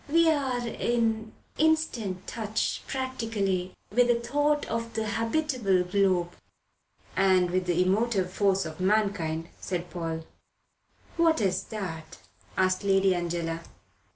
We are in instant touch, practically, with the thought of the habitable globe." "And with the emotive force of mankind," said Paul. "What is that?" asked Lady Angela.